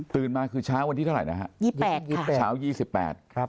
ตื่นมาคือเช้าวันที่เท่าไหร่นะฮะ๒๘ค่ะ